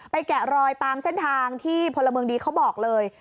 แกะรอยตามเส้นทางที่พลเมืองดีเขาบอกเลย